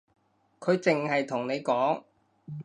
佢淨係同你講